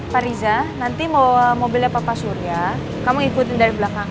pak riza nanti mau mobilnya papa surya kamu ngikutin dari belakang